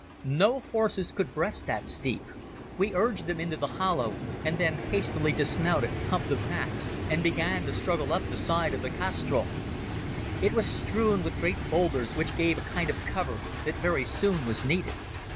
No horses could breast that steep. We urged them into the hollow, and then hastily dismounted, humped the packs, and began to struggle up the side of the castrol. It was strewn with great boulders, which gave a kind of cover that very soon was needed.